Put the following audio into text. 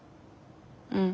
うん。